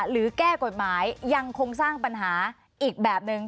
แก้กฎหมายยังคงสร้างปัญหาอีกแบบนึง